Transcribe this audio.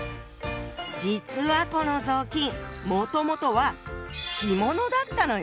実はこの雑巾もともとは着物だったのよ。